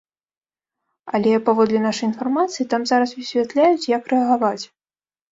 Але, паводле нашай інфармацыі, там зараз высвятляюць, як рэагаваць.